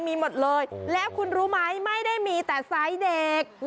มีหมดเลยแล้วคุณรู้ไหมไม่ได้มีแต่ไซส์เด็ก